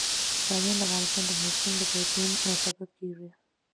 بامیان د افغانستان د موسم د بدلون سبب کېږي.